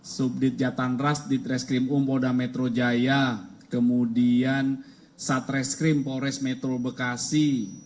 subdit jatan ras di treskrim umpolda metro jaya kemudian satreskrim polres metro bekasi